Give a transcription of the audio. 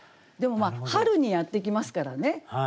でも春にやって来ますからね。